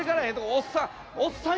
おっさん